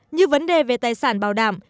như vấn đề về tài sản bảo đảm